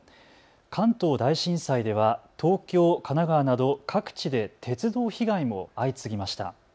関東大震災では東京、神奈川など各地で鉄道被害も相次ぎました。